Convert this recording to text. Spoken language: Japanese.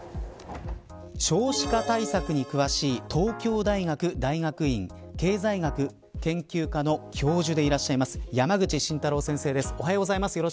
少子化対策に詳しい東京大学大学院経済学研究科の教授でいらっしゃいます山口慎太郎先生です。